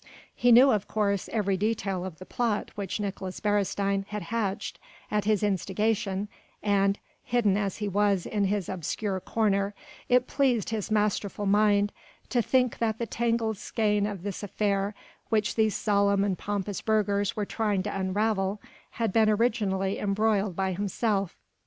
He knew, of course, every detail of the plot which Nicolaes Beresteyn had hatched at his instigation and hidden as he was in his obscure corner it pleased his masterful mind to think that the tangled skein of this affair which these solemn and pompous burghers were trying to unravel had been originally embroiled by himself.